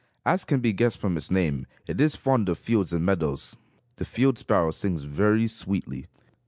As can be guessed from its name, it is fond of fields and meadows. The field sparrow sings very sweetly.